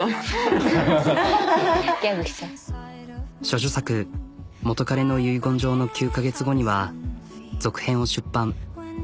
処女作「元彼の遺言状」の９カ月後には続編を出版。